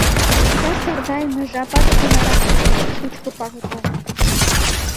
Лышташ саргайыме жапат Тынарак шучко пагыт огыл.